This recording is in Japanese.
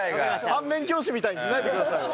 反面教師みたいにしないでくださいよ。